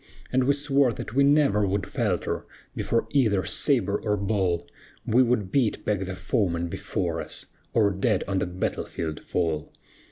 And we swore that we never would falter Before either sabre or ball; We would beat back the foeman before us, Or dead on the battle field fall.